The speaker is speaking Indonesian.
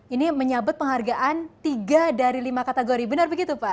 ini menyabet penghargaan tiga dari lima kategori benar begitu pak